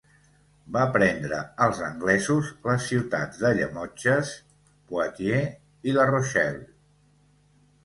Va prendre als anglesos les ciutats de Llemotges, Poitiers i La Rochelle.